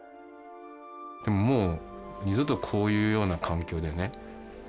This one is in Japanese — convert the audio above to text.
もう二度とこういうような環境でね